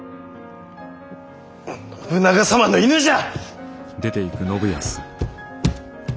信長様の犬じゃ！